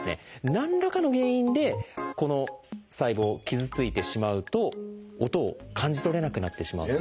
何らかの原因でこの細胞傷ついてしまうと音を感じ取れなくなってしまうんです。